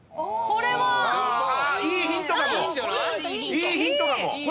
これはいいヒント。